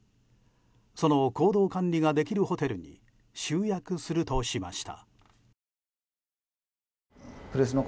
その行動管理ができるホテルに集約するとしました。